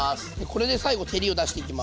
これで最後照りを出していきます。